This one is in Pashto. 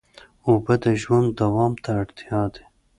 اوبه د ژوند دوام ته اړتیا دي.